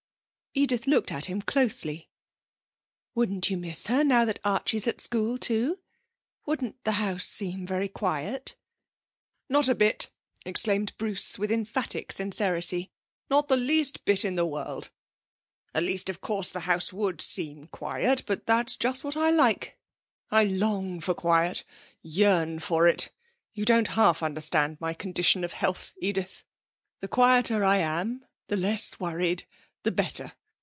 Edith looked at him closely. 'Wouldn't you miss her, now that Archie's at school too? Wouldn't the house seem very quiet?' 'Not a bit!' exclaimed Bruce with emphatic sincerity. 'Not the least bit in the world! At least, of course, the house would seem quiet, but that's just what I like. I long for quiet yearn for it. You don't half understand my condition of health, Edith. The quieter I am, the less worried, the better.